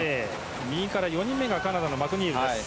右から４人目がカナダのマクニール。